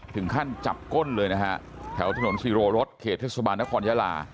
ถึงขั้นจับก้นเลยนะฮะแถวถนนศิโรรสเขตเทศบาลนครยาลา